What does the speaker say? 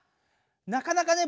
なかなかね